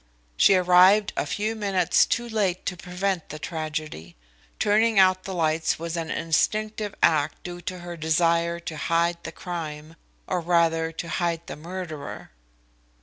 She arrived a few minutes too late to prevent the tragedy. Turning out the lights was an instinctive act due to her desire to hide the crime, or rather to hide the murderer."